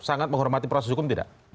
menurut anda menghormati proses hukum tidak